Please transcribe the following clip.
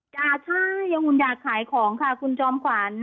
จ้ะใช่อย่างอุ่นอยากขายของค่ะคุณจอมขวัญ